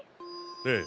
ええ。